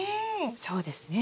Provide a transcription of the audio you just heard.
そうですね。